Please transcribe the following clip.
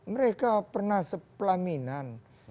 mereka pernah sepelaminan